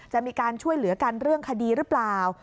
จะมีการช่วยเหลือกันเรื่องคดีหรือเปล่า